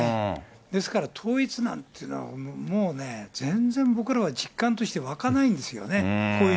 ですから統一なんていうのは、もうね、全然、僕らは実感として湧かないんですよね。